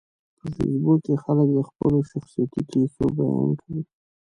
په فېسبوک کې خلک د خپلو شخصیتي کیسو بیان کوي